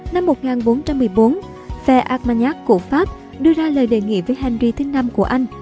năm một nghìn bốn trăm một mươi bốn phè armagnac của pháp đưa ra lời đề nghị với henry v của anh